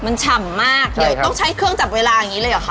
มันฉ่ำมากเดี๋ยวต้องใช้เครื่องจับเวลาอย่างนี้เลยเหรอคะ